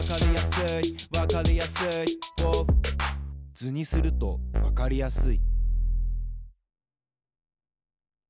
図にするとわかりやすい。